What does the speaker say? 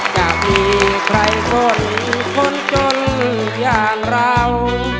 จะมีใครสนคนจนอย่างเรา